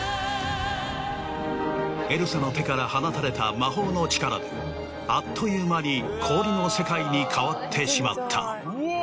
エルサの手から放たれた魔法の力であっという間に氷の世界に変わってしまった。